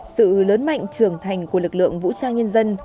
sự lớn mạnh trưởng thành của lực lượng vũ trang nhân dân